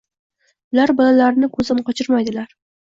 Ular bolalarini ko‘zdan qochirmaydilar.